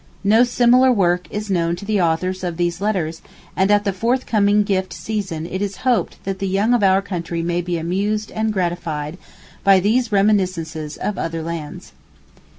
No similar work is known to the authors of these letters; and at the forthcoming gift season it is hoped that the young of our country may be amused and gratified by these reminiscences of other lands.